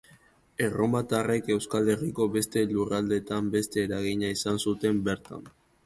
Erromatarrek Euskal Herriko beste lurraldetan beste eragina izan zuten bertan.